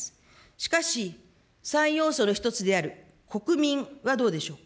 しかし、３要素の一つである国民はどうでしょう。